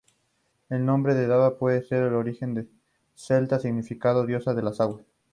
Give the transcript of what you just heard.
El nombre de Deva puede ser de origen celta, significando "Diosa de las aguas".